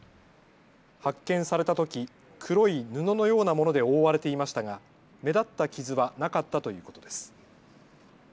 発見されたとき黒い布のようなもので覆われていましたが目立った傷はなかったということです。